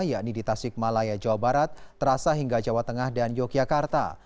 yakni di tasik malaya jawa barat terasa hingga jawa tengah dan yogyakarta